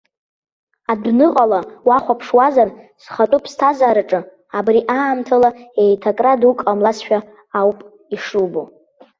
Адәныҟала уахәаԥшуазар, схатәы ԥсҭазараҿы абри аамҭала еиҭакра дук ҟамлазшәа ауп ишубо.